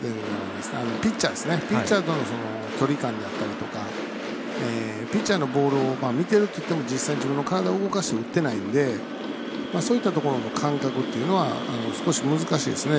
ピッチャーとの距離感だったりとかピッチャーのボールを見てるといっても実際に自分の体を動かして打ってないんでそういったところの感覚っていうのは少し難しいですね